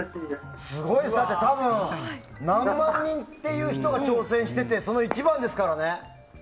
すごい、多分何万人って人が挑戦しててその１番ですからね。